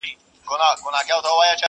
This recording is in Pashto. ورته څیري تر لمني دي گرېوان کړه؛